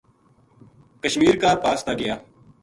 کشمیر کا پاس تا گیا